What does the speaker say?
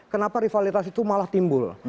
kenapa rivalitas itu malah timbul